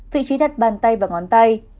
vị trí đặt bàn tay và ngón tay